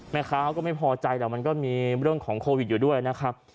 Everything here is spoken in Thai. แม่ค้าเขาก็ไม่พอใจหรอกมันก็มีเรื่องของโควิดอยู่ด้วยนะครับ